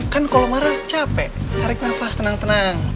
kan kalau marah capek tarik nafas tenang tenang